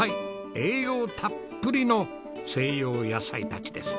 栄養たっぷりの西洋野菜たちです。